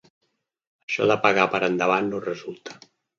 Això de pagar per endavant no resulta.